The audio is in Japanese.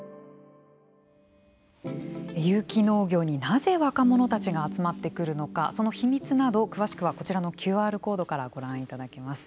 有機農業になぜ若者たちが集まってくるのかその秘密など詳しくはこちらのＱＲコードからご覧いただけます。